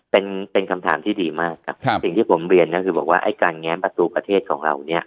เป็นเป็นคำถามที่ดีมากครับสิ่งที่ผมเรียนก็คือบอกว่าไอ้การแง้มประตูประเทศของเราเนี่ย